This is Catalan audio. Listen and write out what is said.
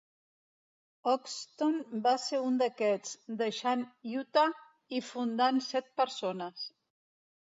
Ogston va ser un d'aquests, deixant Utah i fundant set persones.